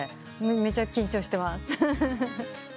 めちゃ緊張してます。